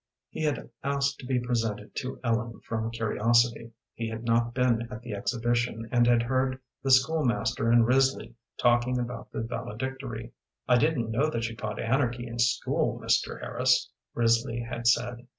He had asked to be presented to Ellen from curiosity. He had not been at the exhibition, and had heard the school master and Risley talking about the valedictory. "I didn't know that you taught anarchy in school, Mr. Harris," Risley had said.